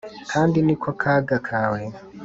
kandi ni ko kaga kawe”